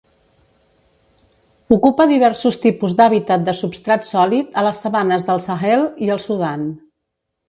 Ocupa diversos tipus d'hàbitat de substrat sòlid a les sabanes del Sahel i el Sudan.